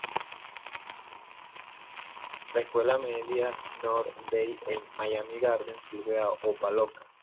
La Escuela Media North Dade en Miami Gardens sirve a Opa-locka.